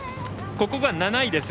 ここが７位です。